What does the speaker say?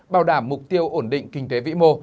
bảo đảm mục tiêu ổn định kinh tế vĩ mô